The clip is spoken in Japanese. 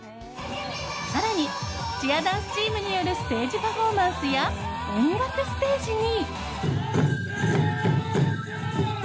更に、チアダンスチームによるステージパフォーマンスや音楽ステージに。